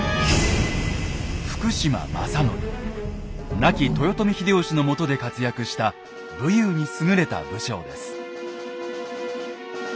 亡き豊臣秀吉のもとで活躍した武勇に優れた武将です。